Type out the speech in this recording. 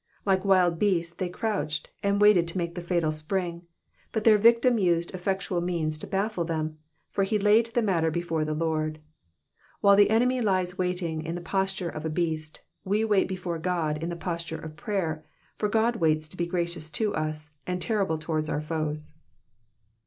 Like wild beasts they crouched, and waited to make the fatal spring ; but their victim used effectual means to baffle them, for he laid the matter before the Lord. While the enemy lies waiting in the posture of a beast, we wait before God in the posture of prayer, for God waits to be gracious to us and terrible towards our foes.